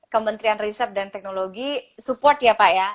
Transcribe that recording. kementerian riset dan teknologi support ya pak ya